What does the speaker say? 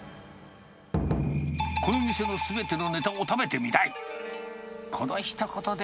この店のすべてのネタを食べてみたい。